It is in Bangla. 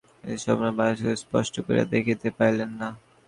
মৃত্যুসমাচ্ছন্ন বাষ্পাকুলনেত্রে স্পষ্ট করিয়া দেখিতে পাইলেন না।